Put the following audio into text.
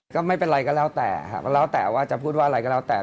ก็ไม่เป็นไรก็เล่าแต่ว่าจะพูดว่าอะไรก็แล้วแต่